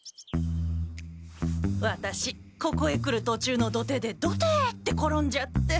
ワタシここへ来るとちゅうの土手でドテッて転んじゃって。